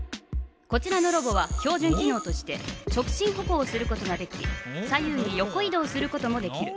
こちらのロボは標じゅん機のうとして直進歩行をすることができ左右に横い動することもできる。